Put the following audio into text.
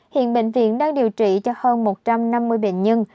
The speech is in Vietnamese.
hiện bệnh viện đang điều trị cho hơn một trăm năm mươi bệnh nhân